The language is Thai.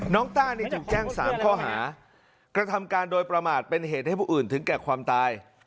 ต้านี่ถูกแจ้ง๓ข้อหากระทำการโดยประมาทเป็นเหตุให้ผู้อื่นถึงแก่ความตาย